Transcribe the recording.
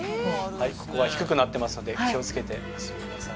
ここが低くなってますので気をつけてお進みください